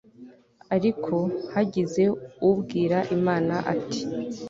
ariko, hagize ubwira imana ati